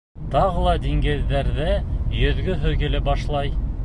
Тағы ла диңгеҙҙәрҙә йөҙгөһө килә башлай.